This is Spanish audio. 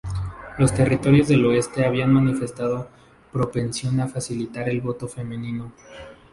Los territorios del Oeste habían manifestado propensión a facilitar el voto femenino.